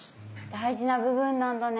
大事な部分なんだね。